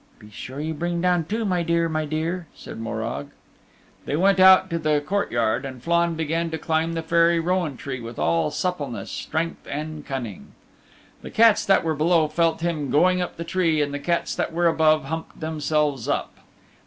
"Be sure you bring down two, my dear, my dear," said Morag. They went out to the courtyard and Flann began to climb the Fairy Rowan Tree with all suppleness, strength and cunning. The cats that were below felt him going up the tree and the cats that were above humped themselves up.